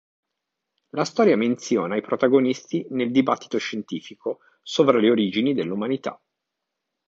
La storia menziona i protagonisti nel dibattito scientifico sovra le origini dell'umanità.